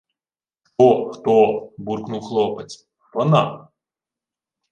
— Хто, хто! — буркнув хлопець. — Вона!